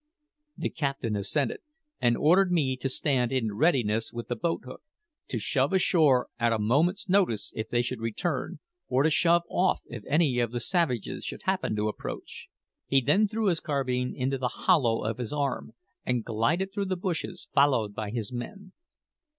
The captain assented, and ordered me to stand in readiness with the boat hook, to shove ashore at a moment's notice if they should return, or to shove off if any of the savages should happen to approach. He then threw his carbine into the hollow of his arm, and glided through the bushes, followed by his men.